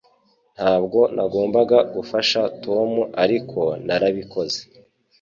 Ntabwo nagombaga gufasha Tom ariko narabikoze